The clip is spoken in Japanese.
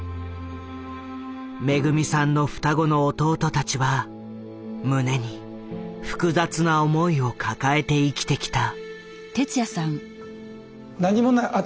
めぐみさんの双子の弟たちは胸に複雑な思いを抱えて生きてきた。